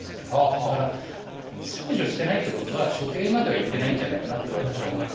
だから、削除してないということは、処刑まではいってないんじゃないかなって、私は思います。